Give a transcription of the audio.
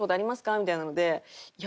みたいなのでいや